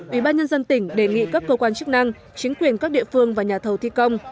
ủy ban nhân dân tỉnh đề nghị các cơ quan chức năng chính quyền các địa phương và nhà thầu thi công